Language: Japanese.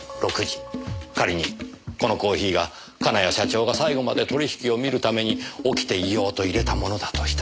仮にこのコーヒーが金谷社長が最後まで取引を見るために起きていようと淹れたものだとしたら。